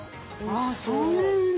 あそうなるんだ。